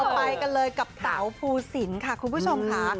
ไปกันเลยกับเต๋าภูสินค่ะคุณผู้ชมค่ะ